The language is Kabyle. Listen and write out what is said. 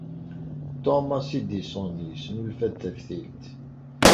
Thomas Edison yesnulfa-d taftilt.